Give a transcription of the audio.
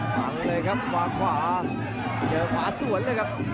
ฟังเลยครับวางขวาเจอขวาสวนเลยครับ